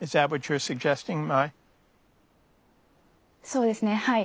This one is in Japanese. そうですねはい。